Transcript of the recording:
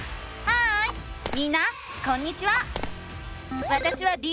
ハーイみんなこんにちは！